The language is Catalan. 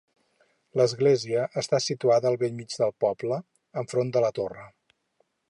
L'església està situada al bell mig del poble, enfront de la Torre.